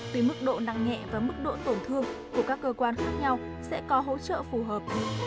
tùy mức độ nặng nhẹ và mức độ tổn thương của các cơ quan khác nhau sẽ có hỗ trợ phù hợp